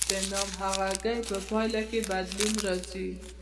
د ناهمغږۍ په پایله کې بدلون راځي.